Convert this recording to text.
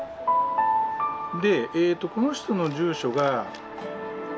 でこの人の住所が。